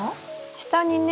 下にね。